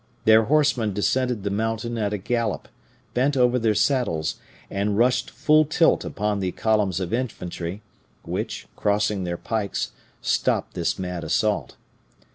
Their horsemen descended the mountain at a gallop, bent over their saddles, and rushed full tilt upon the columns of infantry, which, crossing their pikes, stopped this mad assault.